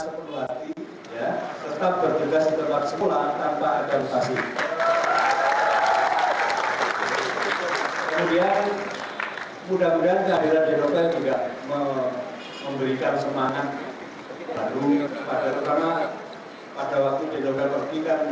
terduga setelah sekolah tanpa agresif